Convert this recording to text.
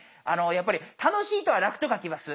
やっぱり楽しいとは「楽」と書きます。